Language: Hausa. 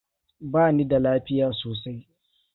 Bani da lafiya sosai.